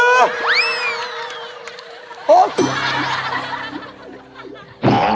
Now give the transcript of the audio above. อ้าว